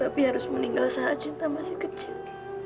tapi harus meninggal saat cinta masih kecil